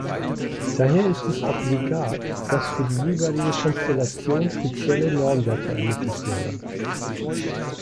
Daher ist es obligat, dass für die jeweilige Konstellation spezielle Normwerte ermittelt werden.